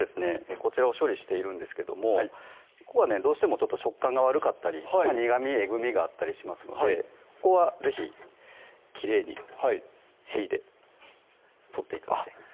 こちらを処理しているんですけどもここはねどうしても食感が悪かったり苦み・えぐみがあったりしますのでここは是非きれいにへいで取って頂きたいです